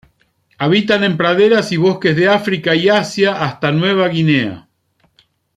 Habitan en praderas y bosques de África y Asia hasta Nueva Guinea.